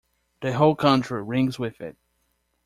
The whole country rings with it.